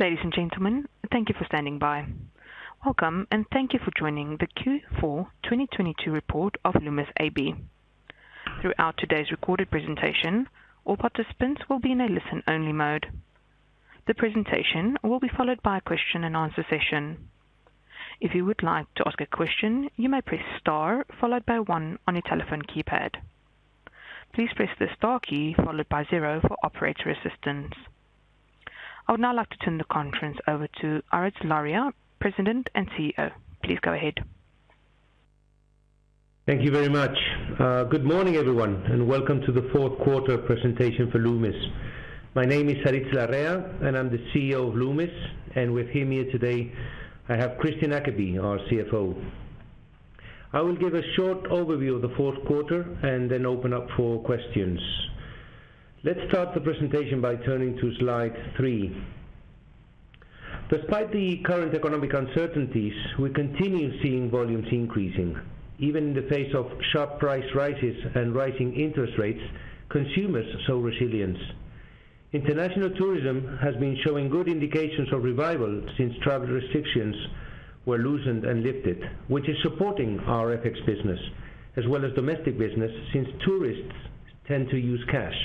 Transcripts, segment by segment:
Ladies and gentlemen, thank you for standing by. Welcome, thank you for joining the Q4 2022 Report of Loomis AB. Throughout today's recorded presentation, all participants will be in a listen-only mode. The presentation will be followed by a question-and-answer session. If you would like to ask a question, you may press star followed by one on your telephone keypad. Please press the star key followed by zero for operator assistance. I would now like to turn the conference over to Aritz Larrea, President and CEO. Please go ahead. Thank you very much. Good morning, everyone, and welcome to the fourth quarter presentation for Loomis. My name is Aritz Larrea, and I'm the CEO of Loomis, and with him here today, I have Kristian Ackeby, our CFO. I will give a short overview of the fourth quarter and then open up for questions. Let's start the presentation by turning to slide three. Despite the current economic uncertainties, we continue seeing volumes increasing. Even in the face of sharp price rises and rising interest rates, consumers show resilience. International tourism has been showing good indications of revival since travel restrictions were loosened and lifted, which is supporting our FX business as well as domestic business since tourists tend to use cash.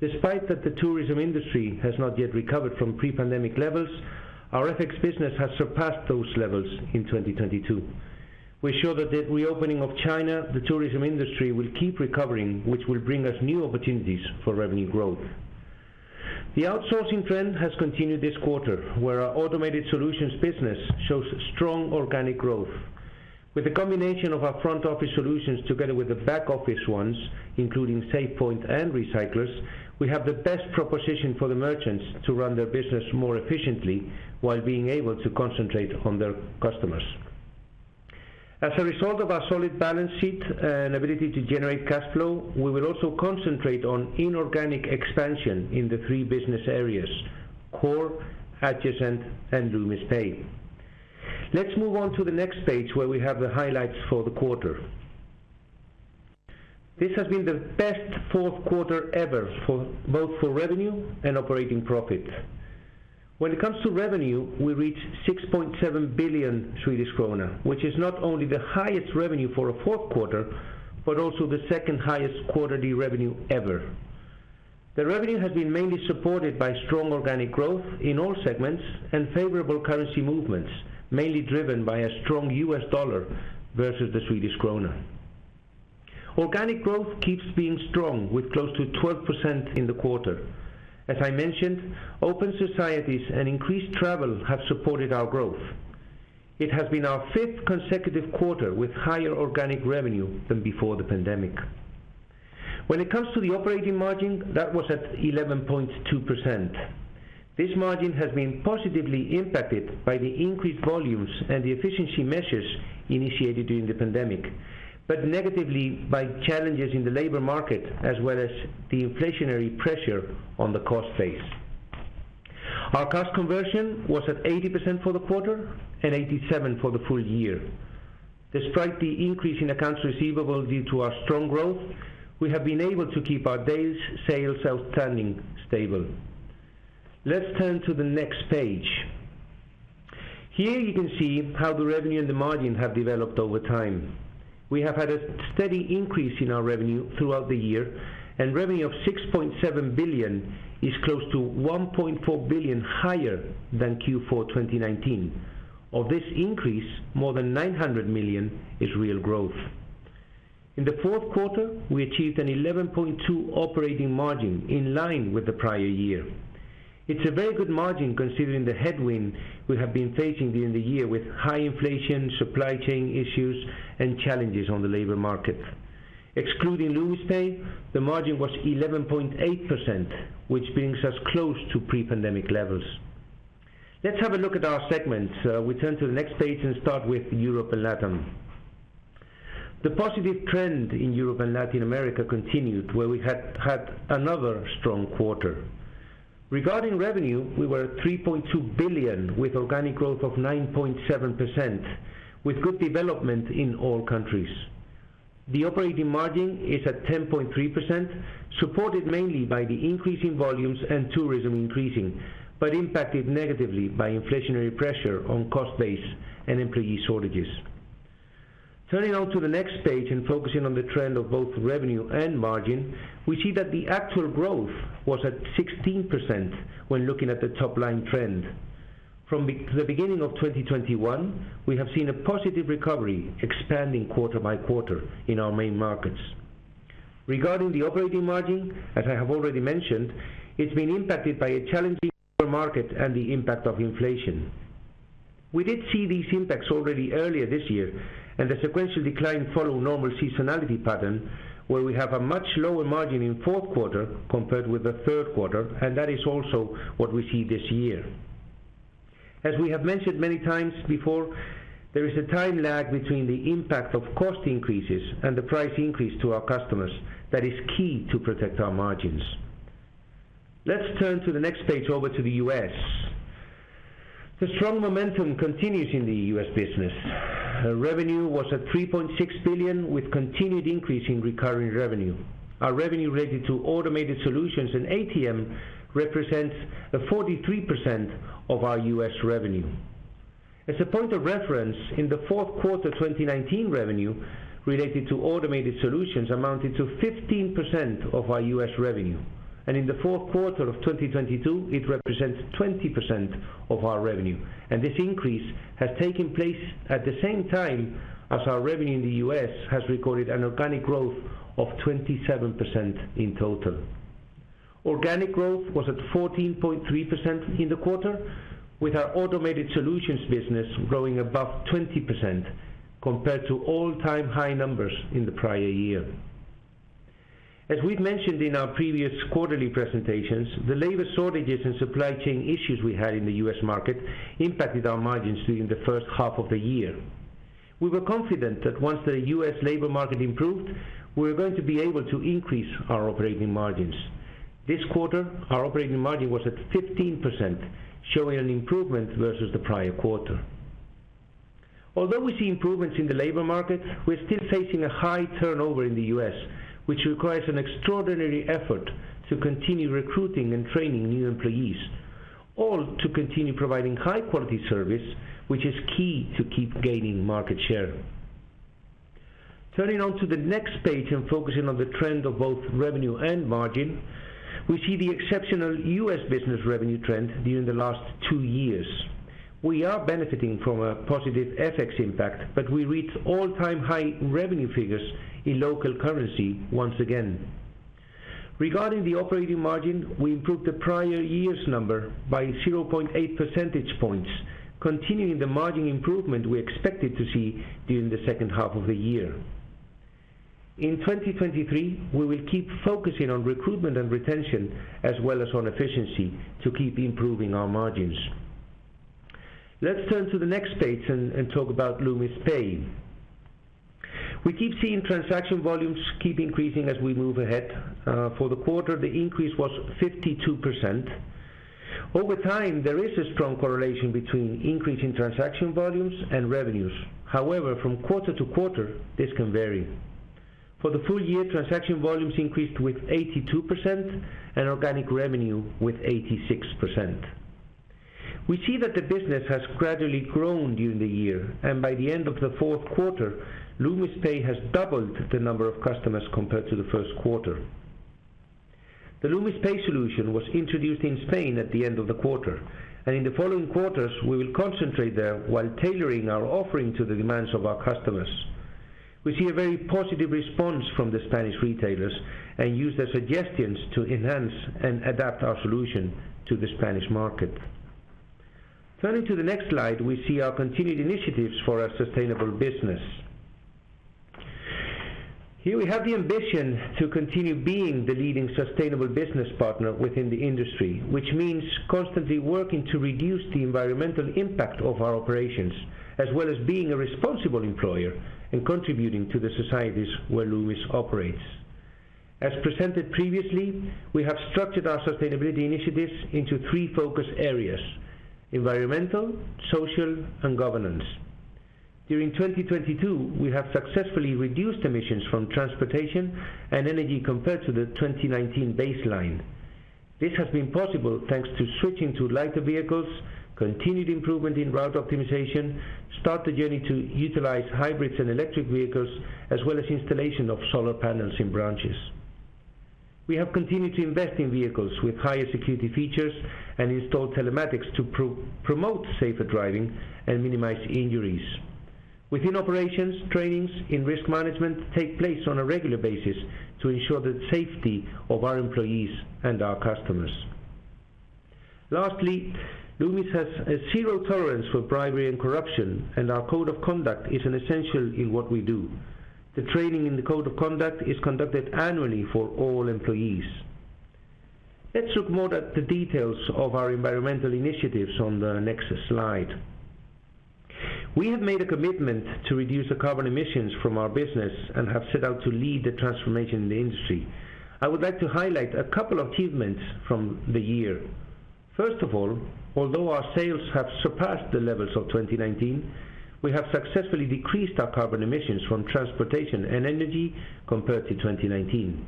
Despite that the tourism industry has not yet recovered from pre-pandemic levels, our FX business has surpassed those levels in 2022. We're sure that with the opening of China, the tourism industry will keep recovering, which will bring us new opportunities for revenue growth. The outsourcing trend has continued this quarter, where our automated solutions business shows strong organic growth. With a combination of our front office solutions together with the back office ones, including SafePoint and Recyclers, we have the best proposition for the merchants to run their business more efficiently while being able to concentrate on their customers. As a result of our solid balance sheet and ability to generate cash flow, we will also concentrate on inorganic expansion in the three business areas: core, adjacent, and Loomis Pay. Let's move on to the next page where we have the highlights for the quarter. This has been the best fourth quarter ever for both revenue and operating profit. When it comes to revenue, we reached 6.7 billion Swedish krona, which is not only the highest revenue for a fourth quarter, but also the second-highest quarterly revenue ever. The revenue has been mainly supported by strong organic growth in all segments and favorable currency movements, mainly driven by a strong U.S. dollar versus the Swedish krona. Organic growth keeps being strong with close to 12% in the quarter. As I mentioned, open societies and increased travel have supported our growth. It has been our fifth consecutive quarter with higher organic revenue than before the pandemic. When it comes to the operating margin, that was at 11.2%. This margin has been positively impacted by the increased volumes and the efficiency measures initiated during the pandemic, but negatively by challenges in the labor market as well as the inflationary pressure on the cost base. Our cost conversion was at 80% for the quarter and 87% for the full year. Despite the increase in accounts receivable due to our strong growth, we have been able to keep our days sales outstanding stable. Let's turn to the next page. Here you can see how the revenue and the margin have developed over time. We have had a steady increase in our revenue throughout the year, and revenue of 6.7 billion is close to 1.4 billion higher than Q4 2019. Of this increase, more than 900 million is real growth. In the fourth quarter, we achieved an 11.2% operating margin in line with the prior year. It's a very good margin considering the headwind we have been facing during the year with high inflation, supply chain issues, and challenges on the labor market. Excluding Loomis Pay, the margin was 11.8%, which brings us close to pre-pandemic levels. Let's have a look at our segments. We turn to the next page and start with Europe and LATAM. The positive trend in Europe and Latin America continued, where we had another strong quarter. Regarding revenue, we were at 3.2 billion with organic growth of 9.7%, with good development in all countries. The operating margin is at 10.3%, supported mainly by the increase in volumes and tourism increasing, but impacted negatively by inflationary pressure on cost base and employee shortages. Turning on to the next page and focusing on the trend of both revenue and margin, we see that the actual growth was at 16% when looking at the top line trend. From the beginning of 2021, we have seen a positive recovery expanding quarte-by-quarter in our main markets. Regarding the operating margin, as I have already mentioned, it's been impacted by a challenging market and the impact of inflation. We did see these impacts already earlier this year, the sequential decline follow normal seasonality pattern, where we have a much lower margin in fourth quarter compared with the third quarter, and that is also what we see this year. As we have mentioned many times before, there is a time lag between the impact of cost increases and the price increase to our customers that is key to protect our margins. Let's turn to the next page over to the U.S. The strong momentum continues in the U.S. business. Revenue was at $3.6 billion with continued increase in recurring revenue. Our revenue related to automated solutions and ATM represents 43% of our U.S. revenue. As a point of reference, in the fourth quarter, 2019 revenue related to automated solutions amounted to 15% of our U.S. revenue. In the fourth quarter of 2022, it represents 20% of our revenue. This increase has taken place at the same time as our revenue in the U.S. has recorded an organic growth of 27% in total. Organic growth was at 14.3% in the quarter, with our automated solutions business growing above 20% compared to all-time high numbers in the prior year. As we've mentioned in our previous quarterly presentations, the labor shortages and supply chain issues we had in the U.S. market impacted our margins during the first half of the year. We were confident that once the U.S. labor market improved, we were going to be able to increase our operating margins. This quarter, our operating margin was at 15%, showing an improvement versus the prior quarter. Although we see improvements in the labor market, we're still facing a high turnover in the U.S., which requires an extraordinary effort to continue recruiting and training new employees, all to continue providing high-quality service, which is key to keep gaining market share. Turning on to the next page and focusing on the trend of both revenue and margin, we see the exceptional U.S. business revenue trend during the last two years. We are benefiting from a positive FX impact, but we reach all-time high revenue figures in local currency once again. Regarding the operating margin, we improved the prior year's number by 0.8 percentage points, continuing the margin improvement we expected to see during the second half of the year. In 2023, we will keep focusing on recruitment and retention as well as on efficiency to keep improving our margins. Let's turn to the next page and talk about Loomis Pay. We keep seeing transaction volumes keep increasing as we move ahead. For the quarter, the increase was 52%. Over time, there is a strong correlation between increase in transaction volumes and revenues. However, from quarter-to-quarter, this can vary. For the full year, transaction volumes increased with 82% and organic revenue with 86%. We see that the business has gradually grown during the year, and by the end of the fourth quarter, Loomis Pay has doubled the number of customers compared to the first quarter. The Loomis Pay solution was introduced in Spain at the end of the quarter, and in the following quarters, we will concentrate there while tailoring our offering to the demands of our customers. We see a very positive response from the Spanish retailers and use their suggestions to enhance and adapt our solution to the Spanish market. Turning to the next slide, we see our continued initiatives for our sustainable business. Here we have the ambition to continue being the leading sustainable business partner within the industry, which means constantly working to reduce the environmental impact of our operations, as well as being a responsible employer and contributing to the societies where Loomis operates. As presented previously, we have structured our sustainability initiatives into three focus areas: environmental, social, and governance. During 2022, we have successfully reduced emissions from transportation and energy compared to the 2019 baseline. This has been possible thanks to switching to lighter vehicles, continued improvement in route optimization, start the journey to utilize hybrids and electric vehicles, as well as installation of solar panels in branches. We have continued to invest in vehicles with higher security features and installed telematics to promote safer driving and minimize injuries. Within operations, trainings in risk management take place on a regular basis to ensure the safety of our employees and our customers. Lastly, Loomis has a zero tolerance for bribery and corruption. Our code of conduct is an essential in what we do. The training in the code of conduct is conducted annually for all employees. Let's look more at the details of our environmental initiatives on the next slide. We have made a commitment to reduce the carbon emissions from our business and have set out to lead the transformation in the industry. I would like to highlight a couple achievements from the year. First of all, although our sales have surpassed the levels of 2019, we have successfully decreased our carbon emissions from transportation and energy compared to 2019.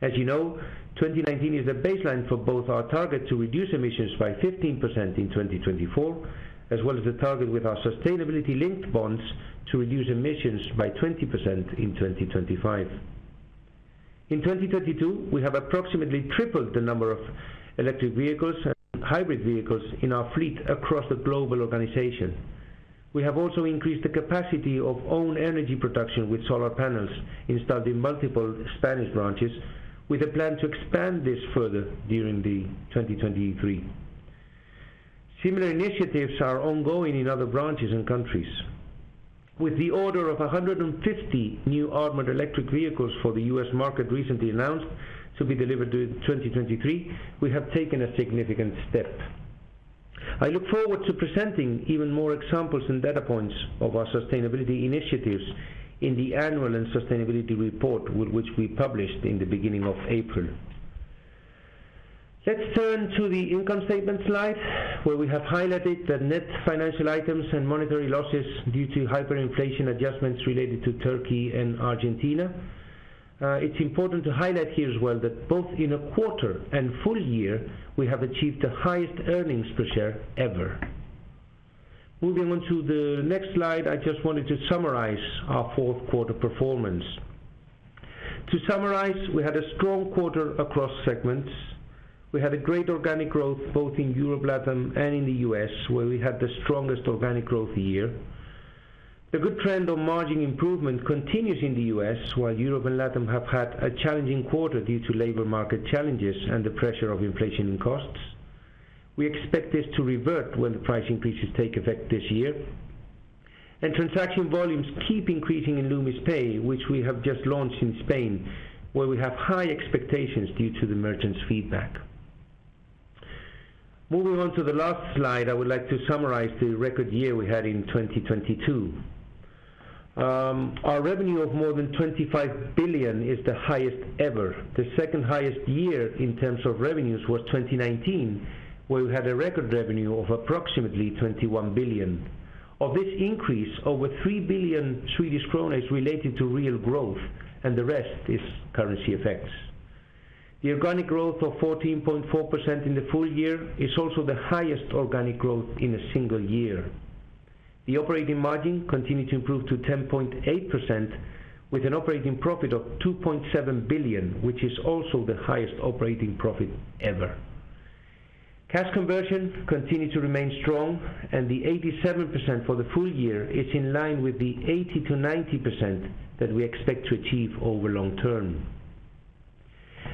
As you know, 2019 is a baseline for both our target to reduce emissions by 15% in 2024, as well as the target with our sustainability-linked bonds to reduce emissions by 20% in 2025. In 2022, we have approximately tripled the number of electric vehicles and hybrid vehicles in our fleet across the global organization. We have also increased the capacity of own energy production with solar panels installed in multiple Spanish branches, with a plan to expand this further during 2023. Similar initiatives are ongoing in other branches and countries. With the order of 150 new armored electric vehicles for the U.S. market recently announced to be delivered to 2023, we have taken a significant step. I look forward to presenting even more examples and data points of our sustainability initiatives in the annual and sustainability report which we published in the beginning of April. Let's turn to the income statement slide, where we have highlighted the net financial items and monetary losses due to hyperinflation adjustments related to Turkey and Argentina. It's important to highlight here as well that both in a quarter and full year, we have achieved the highest earnings per share ever. Moving on to the next slide, I just wanted to summarize our fourth quarter performance. To summarize, we had a strong quarter across segments. We had a great organic growth both in Europe, LATAM, and in the U.S., where we had the strongest organic growth year. The good trend on margin improvement continues in the U.S., while Europe and LATAM have had a challenging quarter due to labor market challenges and the pressure of inflation costs. We expect this to revert when the price increases take effect this year. Transaction volumes keep increasing in Loomis Pay, which we have just launched in Spain, where we have high expectations due to the merchants' feedback. Moving on to the last slide, I would like to summarize the record year we had in 2022. Our revenue of more than 25 billion is the highest ever. The second highest year in terms of revenues was 2019, where we had a record revenue of approximately 21 billion. Of this increase, over 3 billion Swedish kronor is related to real growth, and the rest is currency effects. The organic growth of 14.4% in the full year is also the highest organic growth in a single year. The operating margin continued to improve to 10.8% with an operating profit of 2.7 billion, which is also the highest operating profit ever. Cash conversion continued to remain strong, and the 87% for the full year is in line with the 80%-90% that we expect to achieve over long term.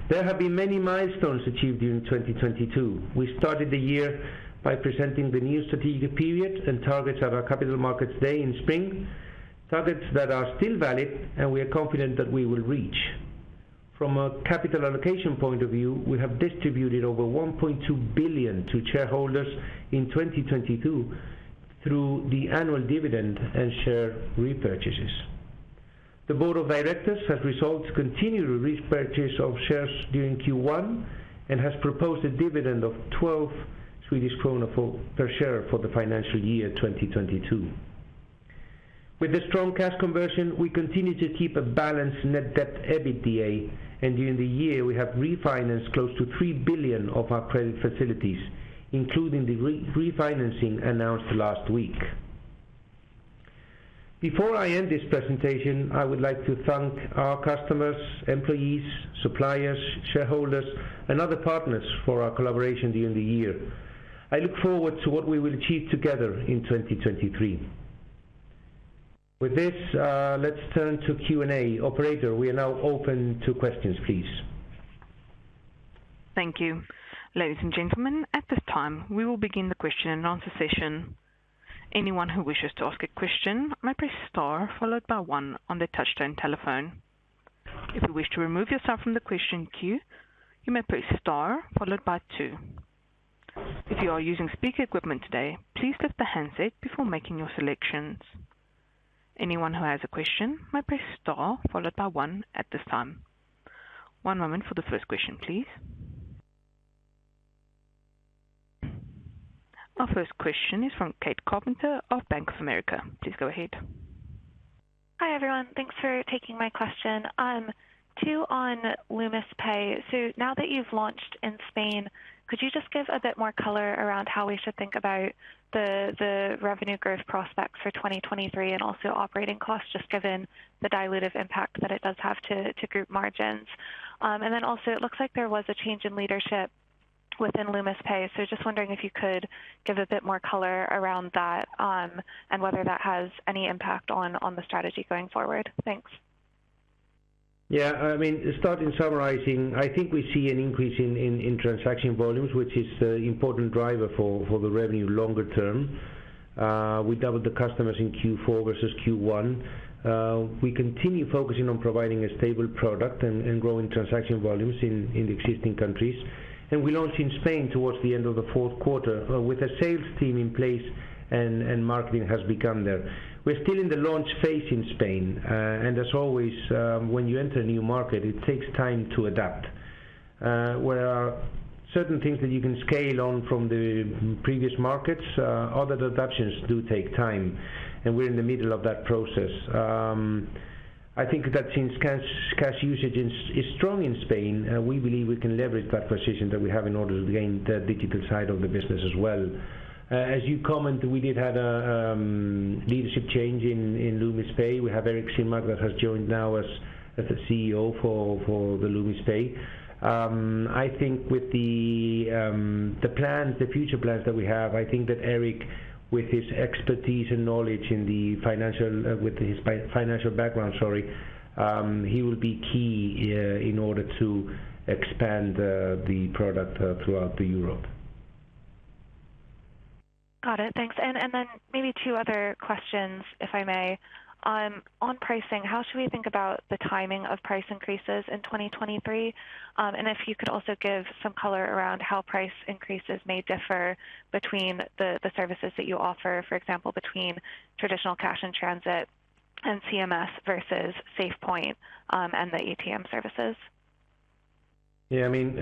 There have been many milestones achieved during 2022. We started the year by presenting the new strategic period and targets at our capital markets day in spring, targets that are still valid and we are confident that we will reach. From a capital allocation point of view, we have distributed over 1.2 billion to shareholders in 2022 through the annual dividend and share repurchases. The board of directors has resolved to continue repurchase of shares during Q1 and has proposed a dividend of 12 Swedish krona per share for the financial year 2022. With the strong cash conversion, we continue to keep a balanced net debt EBITDA, during the year, we have refinanced close to 3 billion of our credit facilities, including the refinancing announced last week. Before I end this presentation, I would like to thank our customers, employees, suppliers, shareholders, and other partners for our collaboration during the year. I look forward to what we will achieve together in 2023. With this, let's turn to Q&A. Operator, we are now open to questions, please. Thank you. Ladies and gentlemen, at this time, we will begin the question and answer session. Anyone who wishes to ask a question may press star followed by one on their touch-tone telephone. If you wish to remove yourself from the question queue, you may press star followed by two. If you are using speaker equipment today, please lift the handset before making your selections. Anyone who has a question may press star followed by one at this time. One moment for the first question, please. Our first question is from Kate Carpenter of Bank of America. Please go ahead. Hi, everyone. Thanks for taking my question. Two on Loomis Pay. Now that you've launched in Spain, could you just give a bit more color around how we should think about the revenue growth prospects for 2023 and also operating costs, just given the dilutive impact that it does have to group margins? Also it looks like there was a change in leadership within Loomis Pay. Just wondering if you could give a bit more color around that and whether that has any impact on the strategy going forward. Thanks. I mean, starting summarizing, I think we see an increase in transaction volumes, which is an important driver for the revenue longer term. We doubled the customers in Q4 versus Q1. We continue focusing on providing a stable product and growing transaction volumes in the existing countries. We launched in Spain towards the end of the fourth quarter with a sales team in place and marketing has begun there. We're still in the launch phase in Spain. As always, when you enter a new market, it takes time to adapt. Where are certain things that you can scale on from the previous markets, other adaptations do take time, we're in the middle of that process. I think that since cash usage is strong in Spain, we believe we can leverage that position that we have in order to gain the digital side of the business as well. As you comment, we did have a leadership change in Loomis Pay. We have Erik Zingmark that has joined now as the CEO for the Loomis Pay. I think with the future plans that we have, I think that Erik, with his expertise and knowledge in the financial background, sorry, he will be key in order to expand the product throughout Europe. Got it. Thanks. Maybe two other questions, if I may. On pricing, how should we think about the timing of price increases in 2023? If you could also give some color around how price increases may differ between the services that you offer, for example, between traditional cash-in-transit and CMS versus SafePoint and the EPM services. I mean,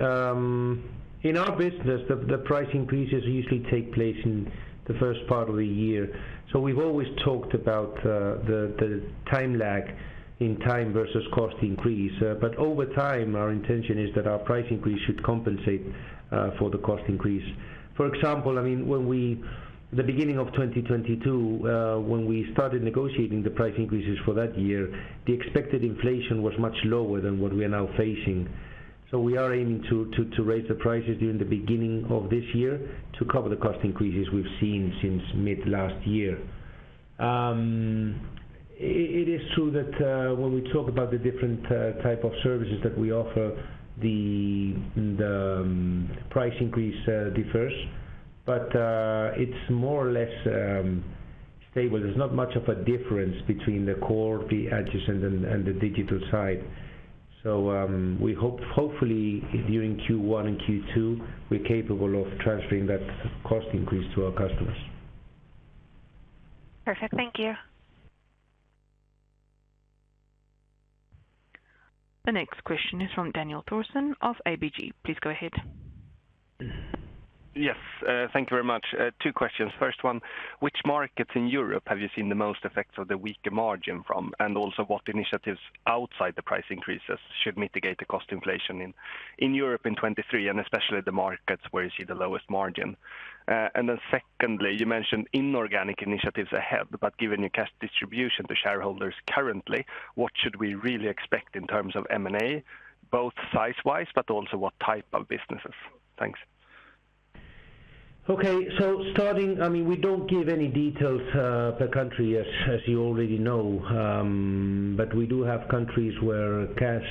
in our business, the price increases usually take place in the first part of the year. We've always talked about the time lag in time versus cost increase. Over time, our intention is that our price increase should compensate for the cost increase. For example, I mean, when we the beginning of 2022, when we started negotiating the price increases for that year, the expected inflation was much lower than what we are now facing. We are aiming to raise the prices during the beginning of this year to cover the cost increases we've seen since mid-last year. It is true that when we talk about the different type of services that we offer, the price increase differs, but it's more or less stable. There's not much of a difference between the core, the adjacent, and the digital side. Hopefully during Q1 and Q2, we're capable of transferring that cost increase to our customers. Perfect. Thank you. The next question is from Daniel Thorsson of ABG. Please go ahead. Yes, thank you very much. Two questions. First one, which markets in Europe have you seen the most effects of the weaker margin from? Also what initiatives outside the price increases should mitigate the cost inflation in Europe in 2023, and especially the markets where you see the lowest margin? Secondly, you mentioned inorganic initiatives ahead, given your cash distribution to shareholders currently, what should we really expect in terms of M&A, both size-wise, but also what type of businesses? Thanks. Okay. I mean, we don't give any details per country as you already know. But we do have countries where cash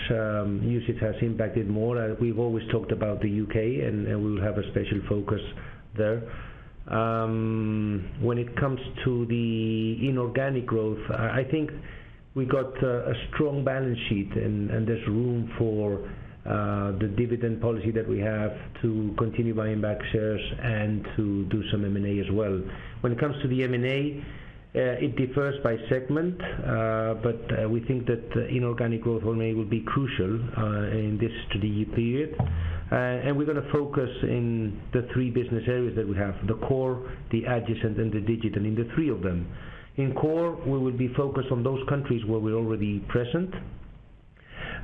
usage has impacted more. We've always talked about the U.K. and we'll have a special focus there. When it comes to the inorganic growth, I think we got a strong balance sheet and there's room for the dividend policy that we have to continue buying back shares and to do some M&A as well. When it comes to the M&A, it differs by segment, but we think that inorganic growth only will be crucial in this strategy period. We're gonna focus in the three business areas that we have, the core, the adjacent, and the digital, in the three of them. In core, we will be focused on those countries where we're already present.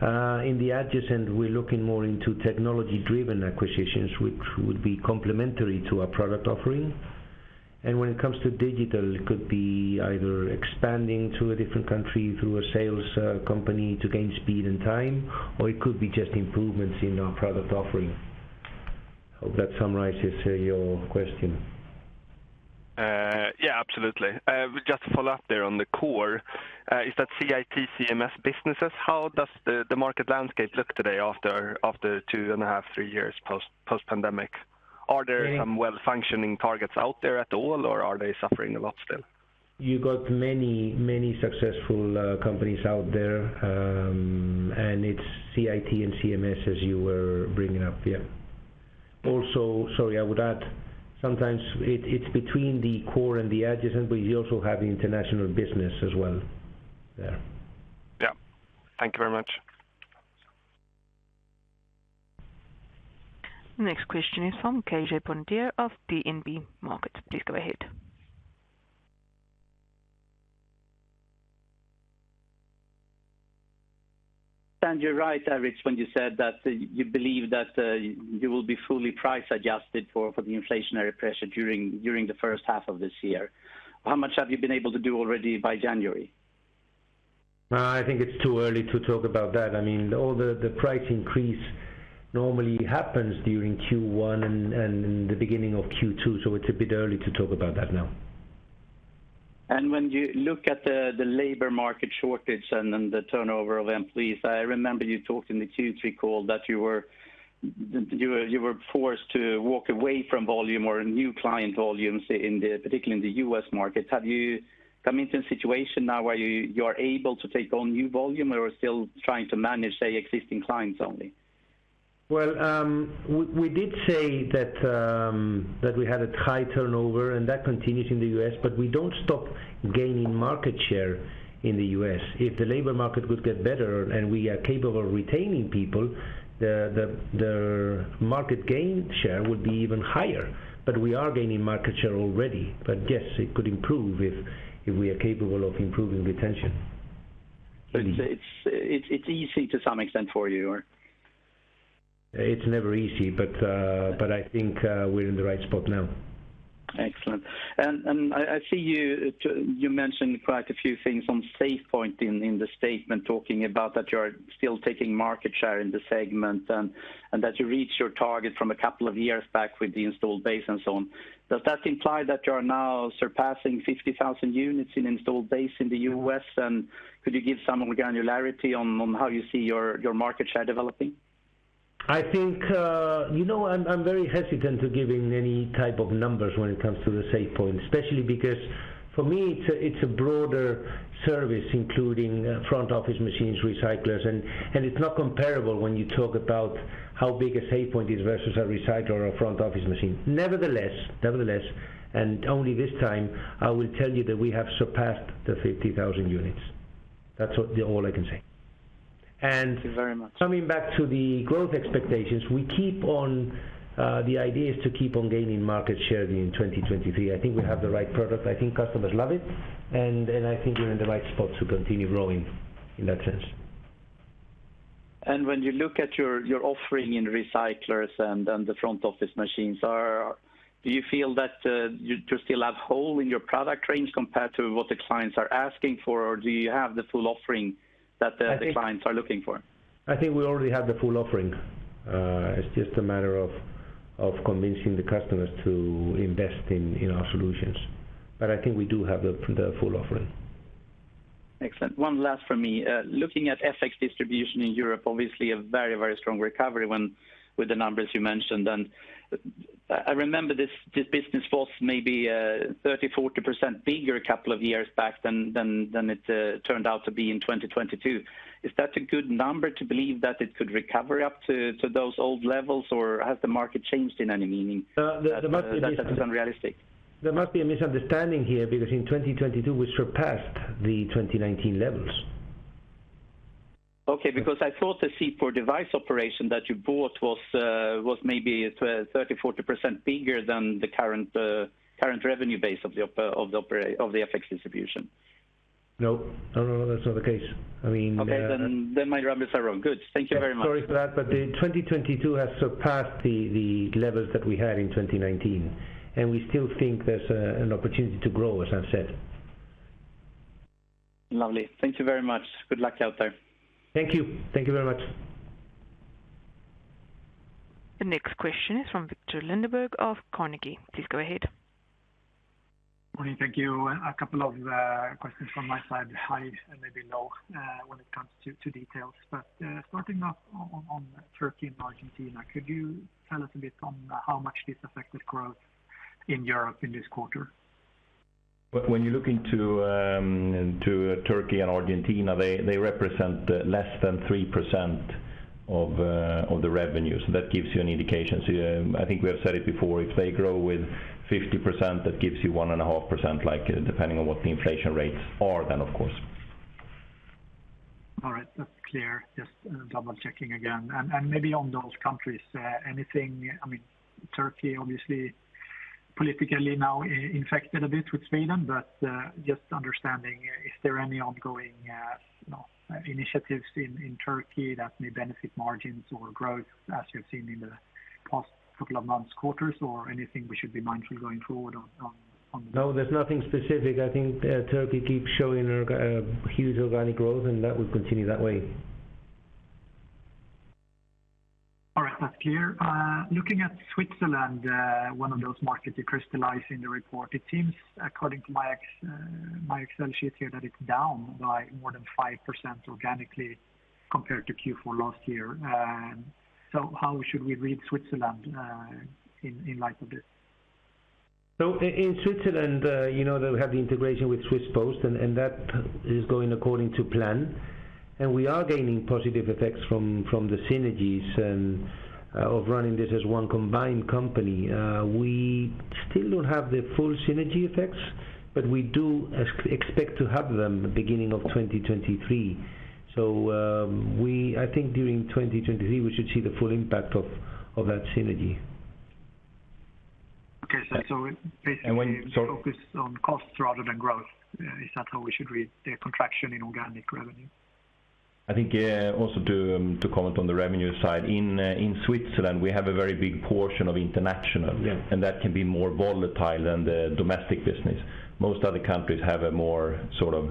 In the adjacent, we're looking more into technology-driven acquisitions, which would be complementary to our product offering. When it comes to digital, it could be either expanding to a different country through a sales company to gain speed and time, or it could be just improvements in our product offering. Hope that summarizes your question. Yeah, absolutely. Just to follow up there on the core, is that CIT CMS businesses, how does the market landscape look today after two and a half, three years post-pandemic? Yeah. Are there some well-functioning targets out there at all, or are they suffering a lot still? You got many successful companies out there. It's CIT and CMS as you were bringing up. Yeah. Sorry, I would add sometimes it's between the core and the adjacent, but you also have the international business as well there. Yeah. Thank you very much. Next question is from KJ Bonnevier of DNB Markets. Please go ahead. You're right, Aritz, when you said that you believe that you will be fully price adjusted for the inflationary pressure during the first half of this year. How much have you been able to do already by January? I think it's too early to talk about that. I mean, all the price increase normally happens during Q1 and in the beginning of Q2, so it's a bit early to talk about that now. When you look at the labor market shortage, the turnover of employees, I remember you talked in the Q3 call that you were forced to walk away from volume or new client volumes particularly in the U.S. market. Have you come into a situation now where you are able to take on new volume or still trying to manage, say, existing clients only? We did say that we had a high turnover and that continues in the U.S., but we don't stop gaining market share in the U.S. If the labor market would get better and we are capable of retaining people, the market gain share would be even higher. We are gaining market share already. Yes, it could improve if we are capable of improving retention. It's easy to some extent for you, or? It's never easy, but I think we're in the right spot now. Excellent. I see you mentioned quite a few things on SafePoint in the statement, talking about that you're still taking market share in the segment and that you reached your target from a couple of years back with the installed base and so on. Does that imply that you are now surpassing 50,000 units in installed base in the U.S.? Could you give some granularity on how you see your market share developing? I think, you know, I'm very hesitant to giving any type of numbers when it comes to the SafePoint, especially because for me, it's a broader service, including front office machines, Recyclers, and it's not comparable when you talk about how big a SafePoint is versus a Recycler or a front office machine. Nevertheless, only this time, I will tell you that we have surpassed the 50,000 units. That's all I can say. Thank you very much. Coming back to the growth expectations, we keep on, the idea is to keep on gaining market share in 2023. I think we have the right product. I think customers love it, and I think we're in the right spot to continue growing in that sense. When you look at your offering in Recyclers and the front office machines, do you feel that you still have hole in your product range compared to what the clients are asking for? Do you have the full offering? I think. Clients are looking for? I think we already have the full offering. It's just a matter of convincing the customers to invest in our solutions. I think we do have the full offering. Excellent. One last from me. Looking at FX distribution in Europe, obviously a very, very strong recovery with the numbers you mentioned. I remember this business was maybe 30%, 40% bigger a couple of years back than it turned out to be in 2022. Is that a good number to believe that it could recover up to those old levels, or has the market changed in any meaning. There must be a. That's unrealistic? There must be a misunderstanding here because in 2022, we surpassed the 2019 levels. Okay, because I thought the C-I-T device operation that you bought was maybe 30, 40 percent bigger than the current revenue base of the FX distribution. No. No, no, that's not the case. I mean, Okay, my numbers are wrong. Good. Thank you very much. Sorry for that, the 2022 has surpassed the levels that we had in 2019, and we still think there's an opportunity to grow, as I've said. Lovely. Thank you very much. Good luck out there. Thank you. Thank you very much. The next question is from Viktor Lindeberg of Carnegie. Please go ahead. Morning. Thank you. A couple of questions from my side, high and maybe low, when it comes to details. Starting off on Turkey and Argentina, could you tell us a bit on how much this affected growth in Europe in this quarter? When you look into to Turkey and Argentina, they represent less than 3% of the revenue. That gives you an indication. I think we have said it before, if they grow with 50%, that gives you 1.5%, depending on what the inflation rates are then, of course. All right. That's clear. Just double-checking again. Maybe on those countries, anything. I mean, Turkey obviously politically now infected a bit with Sweden, but just understanding, is there any ongoing initiatives in Turkey that may benefit margins or growth as you've seen in the past couple of months' quarters, or anything we should be mindful going forward on this? No, there's nothing specific. I think Turkey keeps showing huge organic growth, and that will continue that way. All right. That's clear. Looking at Switzerland, one of those markets you crystallize in the report, it seems according to my Excel sheet here that it's down by more than 5% organically compared to Q4 last year. How should we read Switzerland in light of this? In Switzerland, you know that we have the integration with Swiss Post, and that is going according to plan. We are gaining positive effects from the synergies of running this as one combined company. We still don't have the full synergy effects, but we do expect to have them the beginning of 2023. I think during 2023, we should see the full impact of that synergy. Okay. basically. When you. Focus on costs rather than growth. Is that how we should read the contraction in organic revenue? I think, also to comment on the revenue side, in Switzerland, we have a very big portion of international. Yeah. That can be more volatile than the domestic business. Most other countries have a more sort of,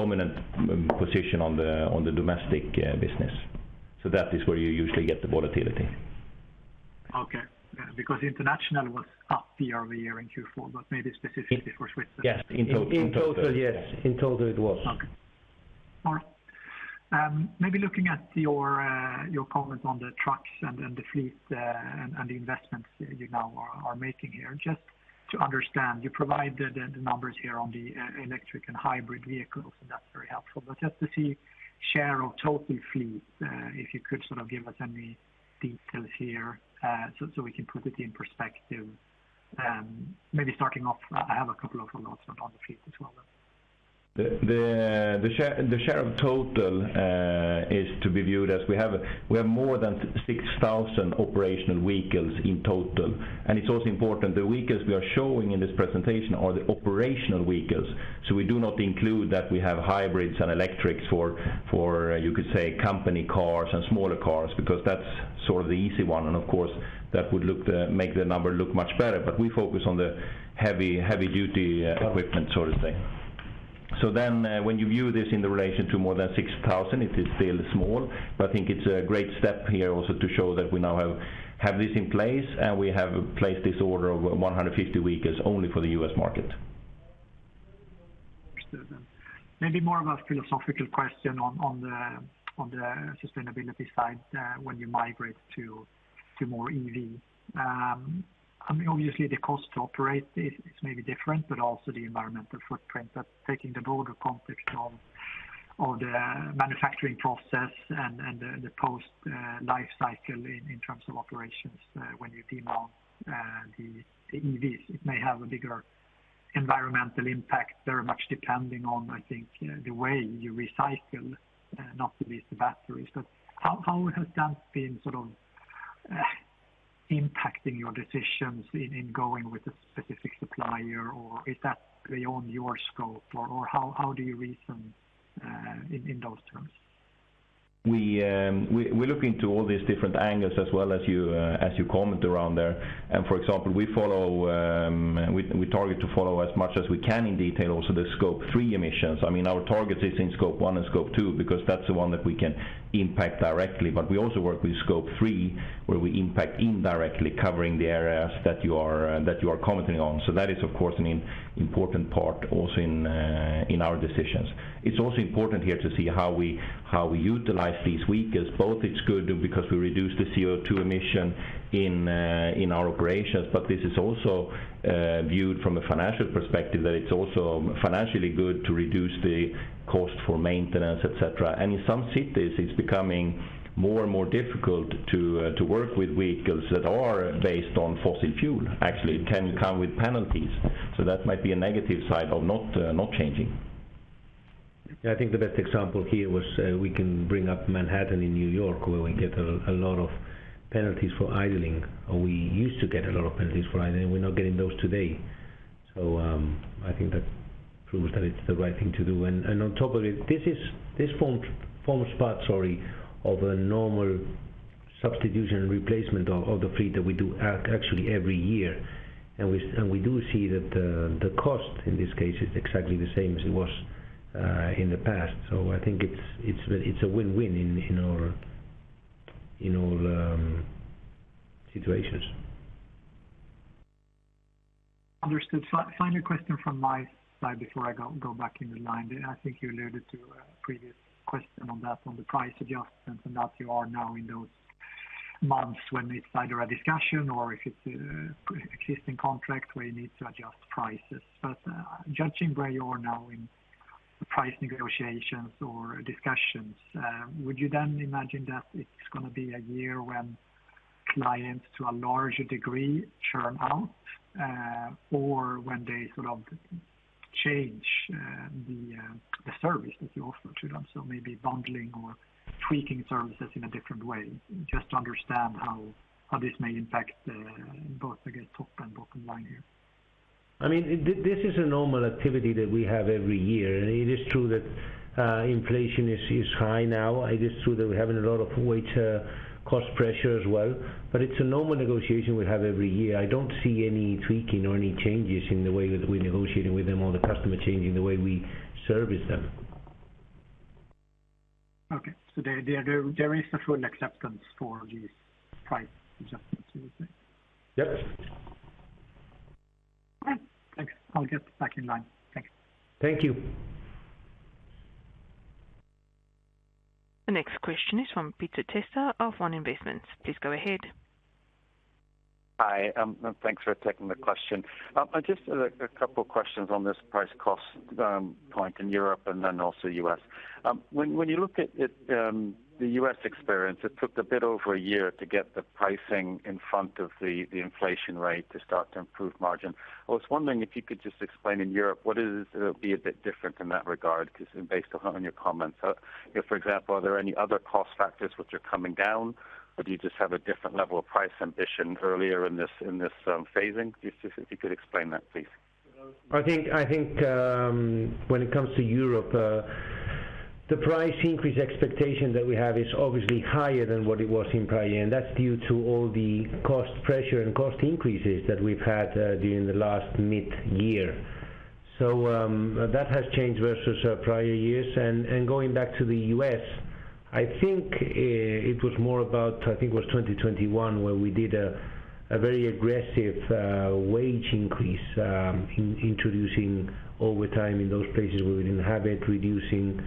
dominant position on the domestic business. That is where you usually get the volatility. Okay. International was up the earlier in Q4, but maybe specifically for Switzerland. Yes. In total. In total, yes. In total it was. Okay. Maybe looking at your comment on the trucks and the fleet and the investments you now are making here. Just to understand, you provide the numbers here on the e-electric and hybrid vehicles, and that's very helpful. Just to see share of total fleet, if you could sort of give us any details here, so we can put it in perspective. Maybe starting off, I have a couple of follow-ups on the fleet as well. The share of total is to be viewed as we have more than 6,000 operational vehicles in total. It's also important the vehicles we are showing in this presentation are the operational vehicles. We do not include that we have hybrids and electrics for, you could say, company cars and smaller cars because that's sort of the easy one. Of course, that would make the number look much better. We focus on the heavy duty equipment sort of thing. When you view this in the relation to more than 6,000, it is still small. I think it's a great step here also to show that we now have this in place, and we have placed this order of 150 vehicles only for the U.S. market. Understood. Maybe more of a philosophical question on the sustainability side, when you migrate to more EV. I mean, obviously the cost to operate is maybe different, but also the environmental footprint. Taking the broader context of the manufacturing process and the post life cycle in terms of operations, when you demo the EVs, it may have a bigger environmental impact very much depending on, I think, the way you recycle, not to miss the batteries. How has that been sort of impacting your decisions in going with a specific supplier? Or is that beyond your scope? Or how do you reason in those terms? We look into all these different angles as well as you comment around there. For example, we follow, we target to follow as much as we can in detail also the Scope 3 emissions. I mean, our target is in Scope 1 and Scope 2 because that's the one that we can impact directly. We also work with Scope 3, where we impact indirectly covering the areas that you are commenting on. That is of course an important part also in our decisions. It's also important here to see how we utilize these vehicles. Both it's good because we reduce the CO2 emission in our operations, this is also viewed from a financial perspective, that it's also financially good to reduce the cost for maintenance, et cetera. In some cities, it's becoming more and more difficult to work with vehicles that are based on fossil fuel. Actually, it can come with penalties. That might be a negative side of not changing. Yeah. I think the best example here was, we can bring up Manhattan in New York, where we get a lot of penalties for idling, or we used to get a lot of penalties for idling, we're not getting those today. I think that proves that it's the right thing to do. On top of it, this forms part, sorry, of a normal substitution replacement of the fleet that we do actually every year. We do see that the cost in this case is exactly the same as it was in the past. I think it's a win-win in our, in all situations. Understood. Final question from my side before I go back in the line. I think you alluded to a previous question on that, on the price adjustments, and that you are now in those months when it's either a discussion or if it's existing contract where you need to adjust prices. Judging where you are now in price negotiations or discussions, would you then imagine that it's gonna be a year when clients, to a larger degree, churn out or when they sort of change the service that you offer to them, so maybe bundling or tweaking services in a different way? Just to understand how this may impact both, I guess, top and bottom line here. I mean, this is a normal activity that we have every year. It is true that inflation is high now. It is true that we're having a lot of wage, cost pressure as well. It's a normal negotiation we have every year. I don't see any tweaking or any changes in the way that we're negotiating with them or the customer changing the way we service them. Okay. There is a full acceptance for these price adjustments, you would say? Yep. Okay, thanks. I'll get back in line. Thanks. Thank you. The next question is from Peter Testa of One Investments. Please go ahead. Hi. Thanks for taking the question. Just a couple questions on this price cost point in Europe and then also U.S. When you look at the U.S. experience, it took a bit over a year to get the pricing in front of the inflation rate to start to improve margin. I was wondering if you could just explain in Europe, what is a bit different in that regard just based on your comments. If, for example, are there any other cost factors which are coming down? Do you just have a different level of price ambition earlier in this phasing? If you could explain that, please. I think, when it comes to Europe, the price increase expectation that we have is obviously higher than what it was in prior year, and that's due to all the cost pressure and cost increases that we've had during the last mid-year. That has changed versus prior years. Going back to the U.S., I think, it was more about, I think it was 2021, where we did a very aggressive wage increase, introducing overtime in those places where we didn't have it, reducing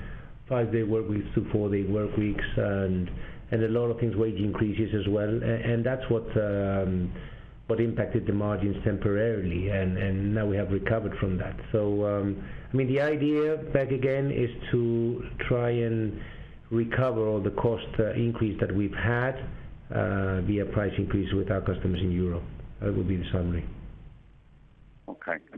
five-day work weeks to four-day work weeks and a lot of things, wage increases as well. And that's what impacted the margins temporarily. Now we have recovered from that. I mean, the idea back again is to try and recover all the cost increase that we've had via price increase with our customers in Europe. That would be the summary.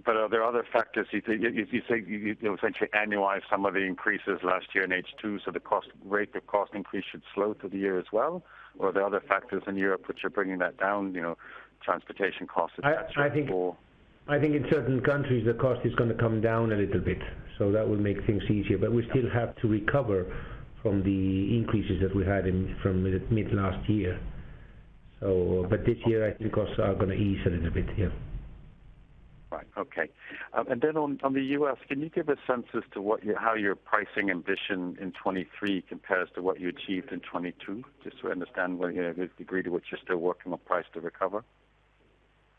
Are there other factors you think If you say, you know, essentially annualize some of the increases last year in H2, the cost rate of cost increase should slow through the year as well? Are there other factors in Europe which are bringing that down, you know, transportation costs, et cetera? I think in certain countries, the cost is gonna come down a little bit, so that will make things easier. We still have to recover from the increases that we had in, from the mid last year. This year, I think costs are gonna ease a little bit. Yeah. Right. Okay. On, on the U.S., can you give a sense as to what your, how your pricing ambition in 2023 compares to what you achieved in 2022, just to understand where, you know, the degree to which you're still working on price to recover?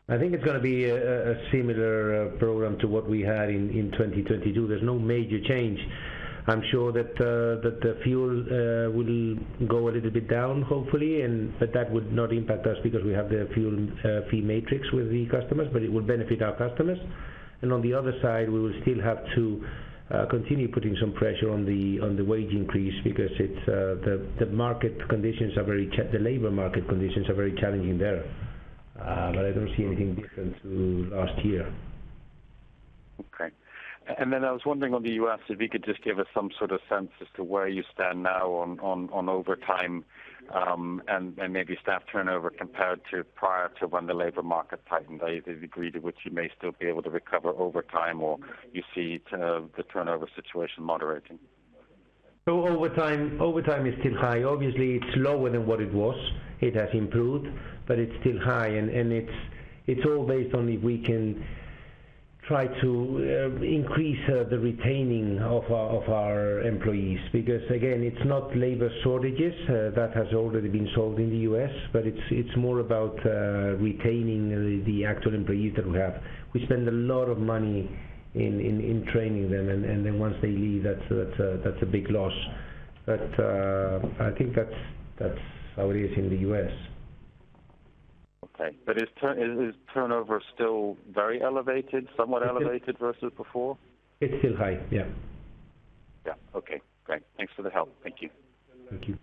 I think it's gonna be a similar program to what we had in 2022. There's no major change. I'm sure that the fuel will go a little bit down, hopefully, and but that would not impact us because we have the fuel fee matrix with the customers, but it would benefit our customers. On the other side, we will still have to continue putting some pressure on the wage increase because it's the labor market conditions are very challenging there. I don't see anything different to last year. Okay. I was wondering on the U.S., if you could just give us some sort of sense as to where you stand now on overtime, and maybe staff turnover compared to prior to when the labor market tightened, the degree to which you may still be able to recover over time, or you see the turnover situation moderating? Overtime is still high. Obviously it's lower than what it was. It has improved, but it's still high and it's all based on if we can try to increase the retaining of our employees. Again, it's not labor shortages that has already been solved in the U.S., but it's more about retaining the actual employees that we have. We spend a lot of money in training them, and then once they leave, that's a big loss. I think that's how it is in the U.S. Okay. Is turnover still very elevated, somewhat elevated versus before? It's still high, yeah. Yeah. Okay, great. Thanks for the help. Thank you. Thank you.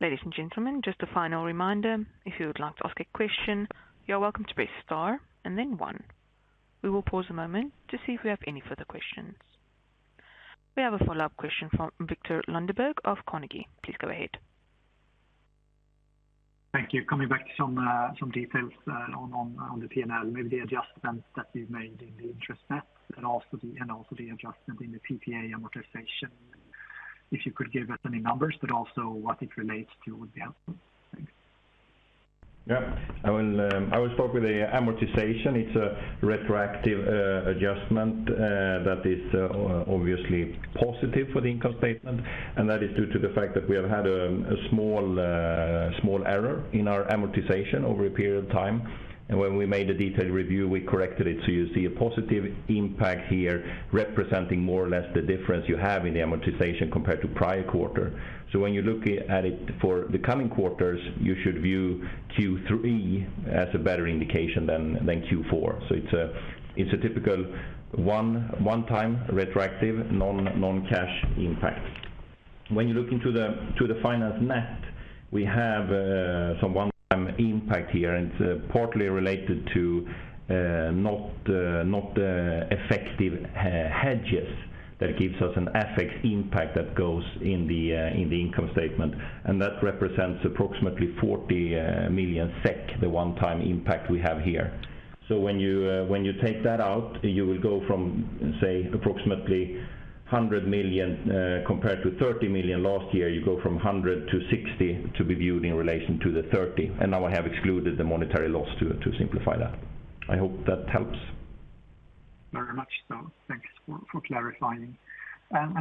Ladies and gentlemen, just a final reminder, if you would like to ask a question, you're welcome to press star and then one. We will pause a moment to see if we have any further questions. We have a follow-up question from Viktor Lindeberg of Carnegie. Please go ahead. Thank you. Coming back to some details on the P&L, maybe the adjustments that you've made in the interest net and also the adjustment in the PPA amortization. If you could give us any numbers, but also what it relates to would be helpful. Thanks. I will start with the amortization. It's a retroactive adjustment that is obviously positive for the income statement, that is due to the fact that we have had a small error in our amortization over a period of time. When we made a detailed review, we corrected it to see a positive impact here representing more or less the difference you have in the amortization compared to prior quarter. When you look at it for the coming quarters, you should view Q3 as a better indication than Q4. It's a typical one-time retroactive non-cash impact. When you look into the finance net, we have some one-time impact here, and it's partly related to not effective hedges that gives us an FX impact that goes in the income statement. That represents approximately 40 million SEK, the one-time impact we have here. When you take that out, you will go from, say, approximately 100 million compared to 30 million last year, you go from 100 to 60 to be viewed in relation to the 30. Now I have excluded the monetary loss to simplify that. I hope that helps. Very much so. Thanks for clarifying.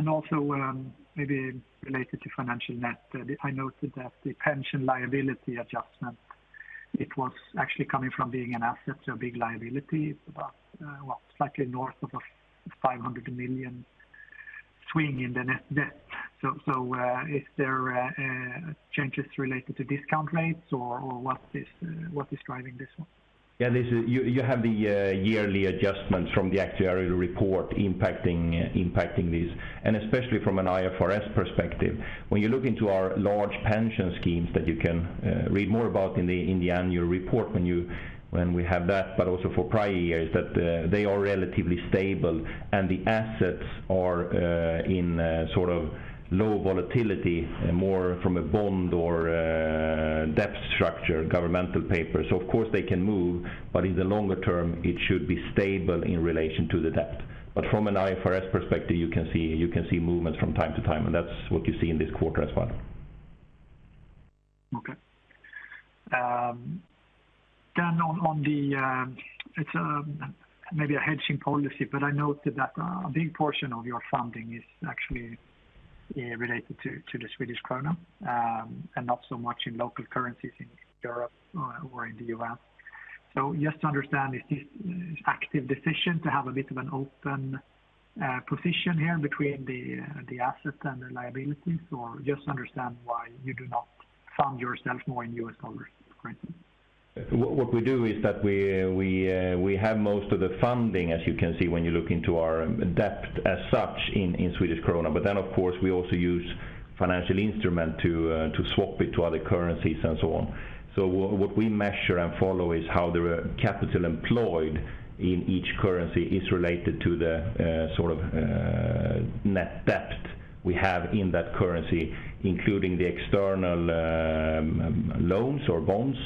Also, maybe related to financial net, I noted that the pension liability adjustment, it was actually coming from being an asset to a big liability, about, what, slightly north of a 500 million swing in the net debt. Is there changes related to discount rates or what is driving this one? You have the yearly adjustments from the actuarial report impacting this. Especially from an IFRS perspective. When you look into our large pension schemes that you can read more about in the annual report when we have that, but also for prior years, that they are relatively stable and the assets are in sort of low volatility, more from a bond or a debt structure, governmental paper. Of course they can move, but in the longer term, it should be stable in relation to the debt. From an IFRS perspective, you can see movements from time to time. That's what you see in this quarter as well. Okay. Then on the, it's maybe a hedging policy, but I noted that a big portion of your funding is actually related to the Swedish krona, and not so much in local currencies in Europe or in the U.S. Just to understand, is this active decision to have a bit of an open position here between the assets and the liabilities, or just understand why you do not fund yourself more in U.S. dollars, for instance? What we do is that we have most of the funding, as you can see when you look into our debt as such in Swedish krona. Of course, we also use financial instrument to swap it to other currencies and so on. What we measure and follow is how the capital employed in each currency is related to the sort of net debt we have in that currency, including the external loans or bonds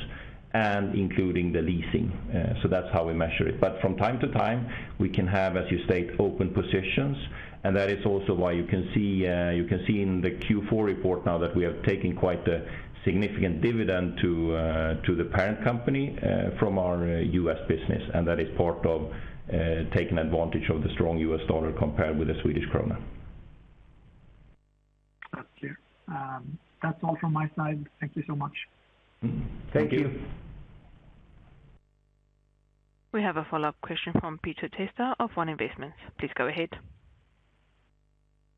and including the leasing. So that's how we measure it. From time to time, we can have, as you state, open positions, and that is also why you can see in the Q4 report now that we have taken quite a significant dividend to the parent company from our U.S. business, and that is part of taking advantage of the strong U.S. dollar compared with the Swedish krona. That's clear. That's all from my side. Thank you so much. Thank you. We have a follow-up question from Peter Testa of One Investments. Please go ahead.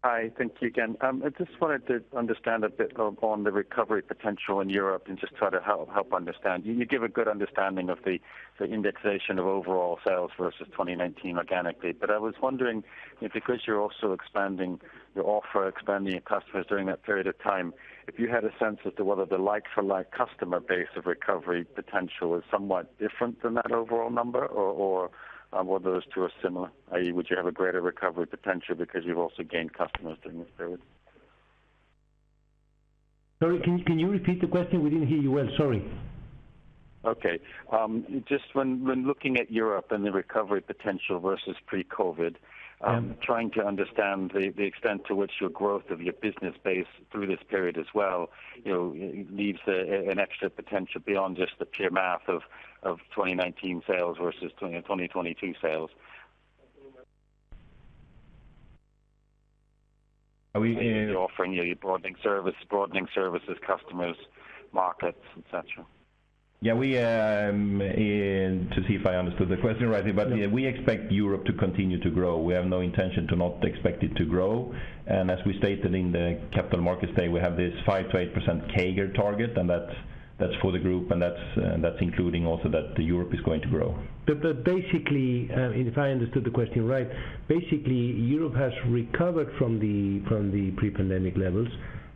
Hi. Thank you again. I just wanted to understand a bit on the recovery potential in Europe and just try to help understand. You gave a good understanding of the indexation of overall sales versus 2019 organically. I was wondering if because you're also expanding your offer, expanding your customers during that period of time, if you had a sense as to whether the like for like customer base of recovery potential is somewhat different than that overall number or whether those two are similar? I.e., would you have a greater recovery potential because you've also gained customers during this period? Sorry, can you repeat the question? We didn't hear you well. Sorry. Okay. Just when looking at Europe and the recovery potential versus pre-COVID. Yeah. Trying to understand the extent to which your growth of your business base through this period as well, you know, leaves an extra potential beyond just the pure math of 2019 sales versus 2022 sales. Are we? With the offering, you know, you're broadening services, customers, markets, et cetera. We, to see if I understood the question right. We expect Europe to continue to grow. We have no intention to not expect it to grow. As we stated in the capital markets day, we have this 5%-8% CAGR target, and that's for the group, and that's including also that Europe is going to grow. Basically, if I understood the question right, basically Europe has recovered from the pre-pandemic levels.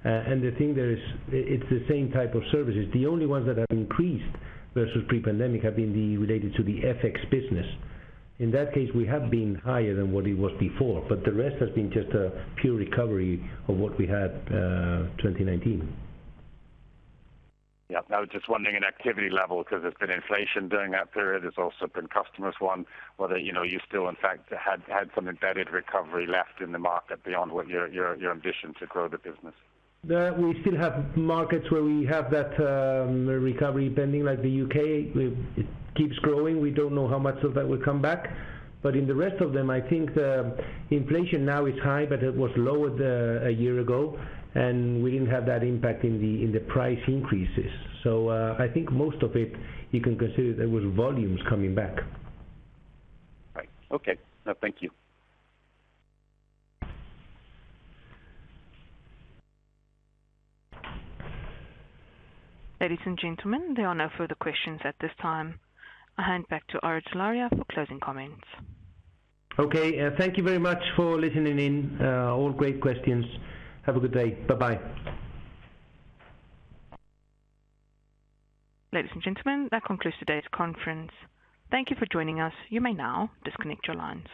The thing there is it's the same type of services. The only ones that have increased versus pre-pandemic have been the related to the FX business. In that case, we have been higher than what it was before. The rest has been just a pure recovery of what we had, 2019. Yeah. I was just wondering in activity level, 'cause there's been inflation during that period. There's also been customers, one, whether, you know, you still in fact had some embedded recovery left in the market beyond what your ambition to grow the business. We still have markets where we have that recovery pending, like the U.K. It keeps growing. We don't know how much of that will come back. In the rest of them, I think the inflation now is high, but it was lower one year ago, and we didn't have that impact in the price increases. I think most of it, you can consider it was volumes coming back. Right. Okay. No, thank you. Ladies and gentlemen, there are no further questions at this time. I hand back to Aritz Larrea for closing comments. Okay. Thank you very much for listening in. All great questions. Have a good day. Bye-bye. Ladies and gentlemen, that concludes today's conference. Thank you for joining us. You may now disconnect your lines.